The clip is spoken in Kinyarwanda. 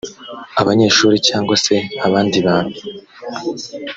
abanyeshuri cyangwa se abandi bantu